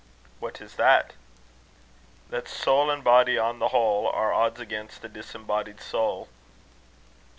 "What is that?" "'That soul and body, on the whole, Are odds against a disembodied soul.'"